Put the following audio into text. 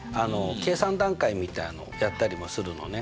計算段階みたいのをやったりもするのね。